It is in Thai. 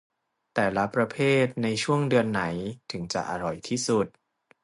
แต่ละประเภทในช่วงเดือนไหนถึงจะอร่อยที่สุด